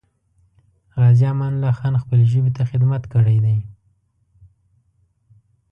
غازي امان الله خان خپلې ژبې ته خدمت کړی دی.